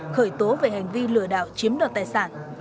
khởi tố về hành vi lừa đảo chiếm đoạt tài sản